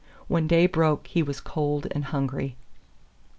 When day broke he was cold and hungry.